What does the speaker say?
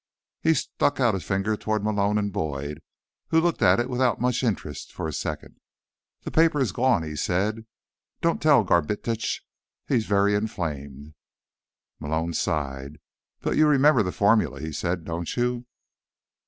He stuck out a finger toward Malone and Boyd, who looked at it without much interest for a second. "The paper is gone," he said. "Don't tell Garbitsch. He is very inflamed." Malone sighed. "But you remember the formula," he said. "Don't you?"